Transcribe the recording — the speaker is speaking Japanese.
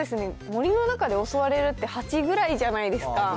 森の中で襲われるなんて、蜂ぐらいじゃないですか。